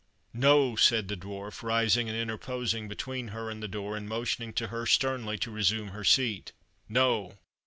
"No!" said the Dwarf, rising and interposing between her and the door, and motioning to her sternly to resume her seat "No!